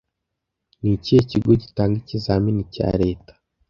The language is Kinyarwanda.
Ni ikihe kigo gitanga ikizamini cya leta